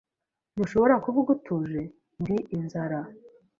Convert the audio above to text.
Ntushobora kuvuga utuje? Ndi inzara.